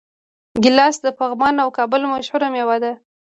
ګیلاس د پغمان او کابل مشهوره میوه ده.